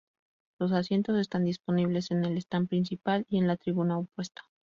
Los asientos están disponibles en el stand principal y en la tribuna opuesta.